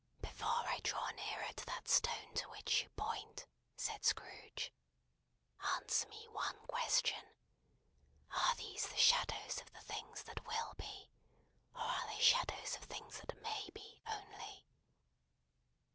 "Before I draw nearer to that stone to which you point," said Scrooge, "answer me one question. Are these the shadows of the things that Will be, or are they shadows of things that May be, only?"